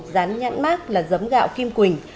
dán nhãn mát là giấm gạo kim quỳnh